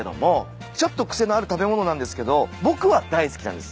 ちょっと癖のある食べ物なんですけど僕は大好きなんです。